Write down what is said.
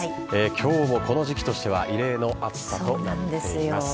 今日もこの時期としては異例の暑さとなっています。